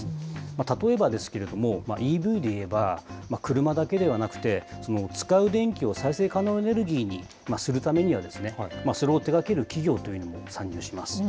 例えばですけれども、ＥＶでいえば、車だけではなくて、使う電気を再生可能エネルギーにするためにはですね、それを手がける企業というのも参入します。